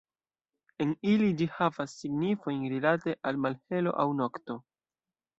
En ili ĝi havas signifojn rilate al malhelo aŭ nokto.